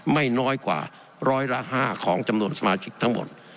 ไม่น้อยกว่าร้อยละ๕ของจำนวนสมาชิกทั้งหมด